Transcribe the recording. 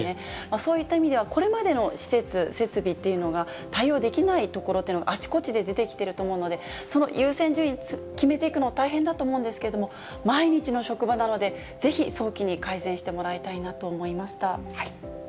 そういった意味では、これまでの施設、設備というのが対応できないところっていうのが、あちこちで出てきてると思うので、その優先順位、決めていくの大変だと思うんですけれども、毎日の職場なので、ぜひ、早期に改善してもらいたいなと思いました。